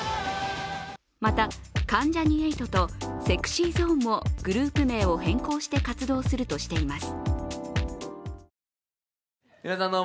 また、関ジャニ∞とＳｅｘｙＺｏｎｅもグループ名を変更して活動するとしています。